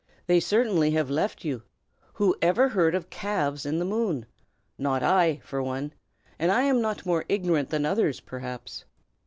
"They certainly have left you. Who ever heard of calves in the moon? Not I, for one; and I am not more ignorant than others, perhaps."